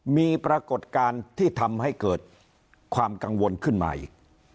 มีปรากฏการณ์ที่ทำให้เกิดความกังวลขึ้นมาอีก